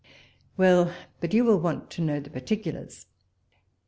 Well, but you will want to know the particulars.